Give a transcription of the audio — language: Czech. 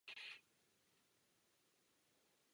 Elektromagnetická vlna může přenášet energii.